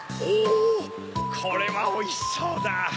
これはおいしそうだ！